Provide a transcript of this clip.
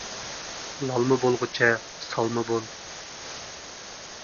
لالما بولغۇچە سالما بول.